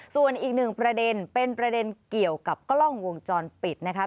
ส่วนอีกหนึ่งประเด็นเป็นประเด็นเกี่ยวกับกล้องวงจรปิดนะคะ